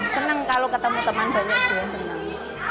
seneng kalau ketemu teman banyak juga seneng